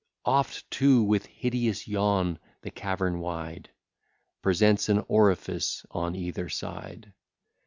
Oft too with hideous yawn the cavern wide Presents an orifice on either side.